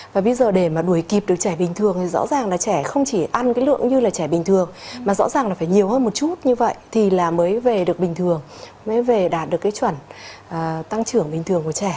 và bây giờ để mà đuổi kịp được trẻ bình thường thì rõ ràng là trẻ không chỉ ăn cái lượng như là trẻ bình thường mà rõ ràng là phải nhiều hơn một chút như vậy thì là mới về được bình thường mới về đạt được cái chuẩn tăng trưởng bình thường của trẻ